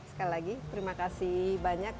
sekali lagi terima kasih banyak